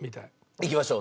いきましょう。